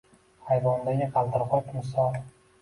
Аyvondagi qaldirgʼoch misol